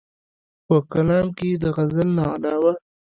پۀ کلام کښې ئې د غزل نه علاوه